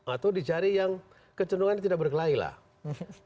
atau dicari yang kecenderungannya tidak berkelainan